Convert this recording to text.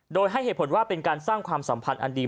โดยให้เหตุผลว่าเป็นการสร้างความสัมพันธ์อันดี